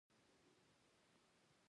خټکېدل د جامد په مایع بدلیدل دي.